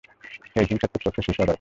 এই হিংসাত্মক চক্রের শেষ হওয়া দরকার।